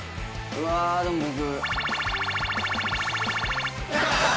うわでも僕。